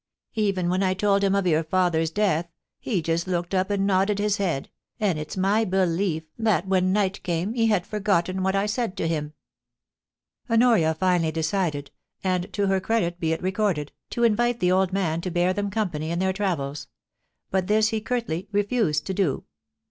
Even when I told him of your father's death he just looked up and nodded his head, and it's my belief that when night came he had forgotten what I said to him.' Honoria finally decided, and to her credit be it recorded, THE KNOTTING OF THE THREADS. 435 to invite the old man to bear them company in their travels ; but this he curtly refused to do.